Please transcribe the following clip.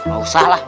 gak usah lah